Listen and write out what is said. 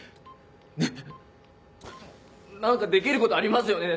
ねぇ何かできることありますよね